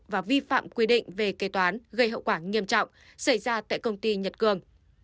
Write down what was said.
và vi phạm quy định về kế toán gây hậu quả nghiêm trọng xảy ra tại công ty nhật cường